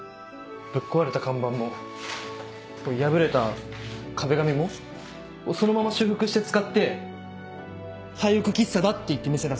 ぶっ壊れた看板も破れた壁紙もそのまま修復して使って廃屋喫茶だって言って店出すの。